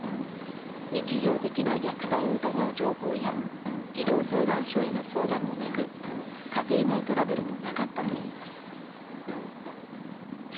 日常的な虐待を疑う情報や児童相談所への相談もなく家庭内トラブルもなかったといいます。